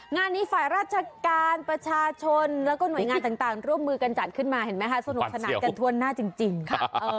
งานนี้ฝ่ายราชการประชาชนแล้วก็หน่วยงานต่างร่วมมือกันจัดขึ้นมาเห็นไหมคะสนุกสนานกันทั่วหน้าจริงค่ะ